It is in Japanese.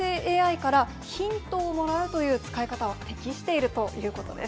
生成ＡＩからヒントをもらうという使い方は適しているということです。